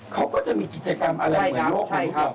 เขาก็จะมีกิจกรรมอะไรเหมือนพวกนี้